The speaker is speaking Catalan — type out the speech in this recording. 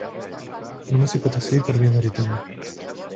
Només s'hi pot accedir per via marítima.